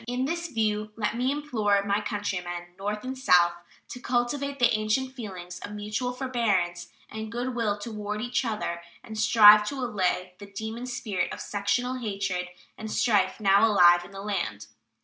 In this view, let me implore my countrymen, North and South, to cultivate the ancient feelings of mutual forbearance and good will toward each other and strive to allay the demon spirit of sectional hatred and strife now alive in the land.